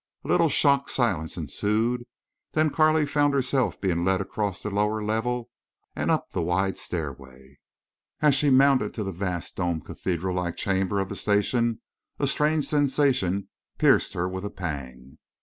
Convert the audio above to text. A little shocked silence ensued, then Carley found herself being led across the lower level and up the wide stairway. As she mounted to the vast domed cathedral like chamber of the station a strange sensation pierced her with a pang.